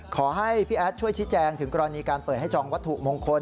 ขอให้พี่แอดช่วยชี้แจงถึงกรณีการเปิดให้จองวัตถุมงคล